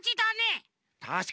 たしかに！